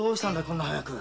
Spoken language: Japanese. こんなに早く。